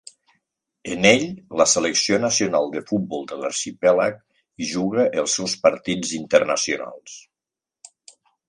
En ell la selecció nacional de futbol de l'arxipèlag hi juga els seus partits internacionals.